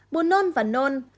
bùn nôn và nôn